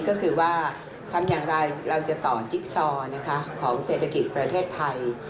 ก็คือว่าทำอย่างไรเราจะต่อจิ๊กซอของเศรษฐกิจประเทศไทย